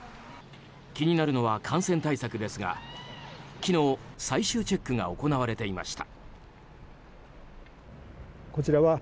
気になるのは感染対策ですが昨日、最終チェックが行われていました。